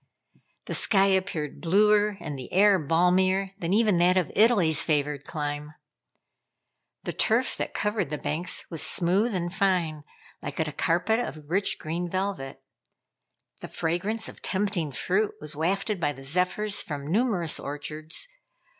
The sky appeared bluer, and the air balmier than even that of Italy's favored clime. The turf that covered the banks was smooth and fine, like a carpet of rich green velvet. The fragrance of tempting fruit was wafted by the zephyrs from numerous orchards.